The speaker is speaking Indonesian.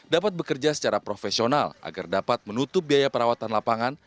dapat bekerja secara profesional agar dapat menutup biaya perawatan lapangan